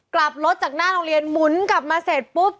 กลับรถจากหน้าโรงเรียนหมุนกลับมาเสร็จปุ๊บ